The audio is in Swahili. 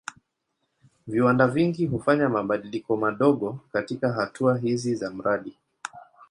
Viwanda vingi hufanya mabadiliko madogo katika hatua hizi za mradi.